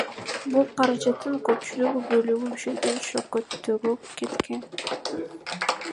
Бул каражаттын көпчүлүк бөлүгү Бишкекти шөкөттөөгө кеткен.